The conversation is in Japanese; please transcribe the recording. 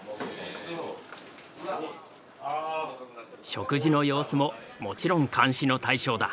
食事の様子ももちろん監視の対象だ。